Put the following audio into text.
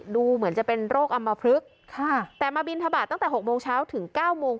ดูเหมือนจะเป็นโรคอำมพลึกค่ะแต่มาบินทบาทตั้งแต่๖โมงเช้าถึง๙โมง